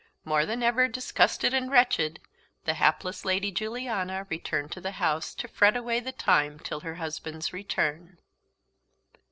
More than ever disgusted and wretched, the hapless Lady Juliana returned to the house to fret away the time till her husband's return.